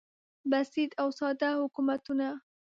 بسیط او ساده حکومتونه